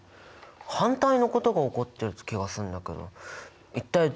反対のことが起こってる気がするんだけど一体どういうことなの？